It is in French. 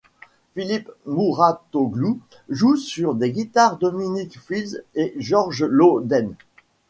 Philippe Mouratoglou joue sur des guitares Dominique Field et George Lowden.